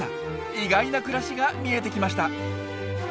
意外な暮らしが見えてきました！